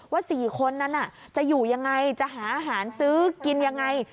๔คนนั้นจะอยู่ยังไงจะหาอาหารซื้อกินยังไง